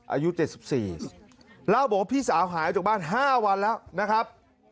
อายุ๗๔เล่าบอกว่าพี่สาวหายจากบ้าน๕วันแล้วนะครับ